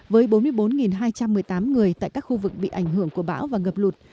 với bốn mươi bốn hai trăm một mươi tám người tại các khu vực bị ảnh hưởng của bão và ngập lụt